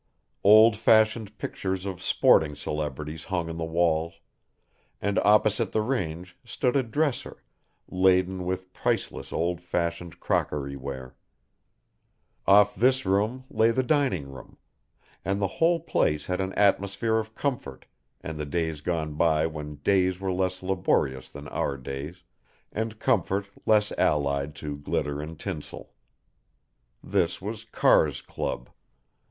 Old fashioned pictures of sporting celebrities hung on the walls, and opposite the range stood a dresser, laden with priceless old fashioned crockery ware. Off this room lay the dining room, and the whole place had an atmosphere of comfort and the days gone by when days were less laborious than our days, and comfort less allied to glitter and tinsel. This was Carr's Club.